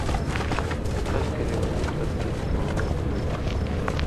قَص کرے واجب پھَت کیر کھیں نِوان٘ز نی ہُوئ تھو۔